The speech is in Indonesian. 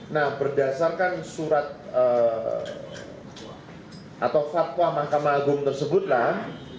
nah berdasarkan surat atau fatwa mahkamah agung tersebutlah